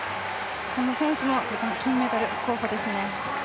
この選手も金メダル候補ですね。